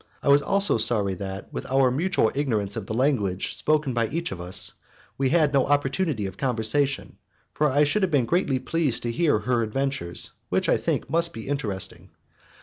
I was also sorry that, with our mutual ignorance of the language spoken by each of us, we had no opportunity of conversation, for I should have been greatly pleased to hear her adventures, which, I think, must be interesting.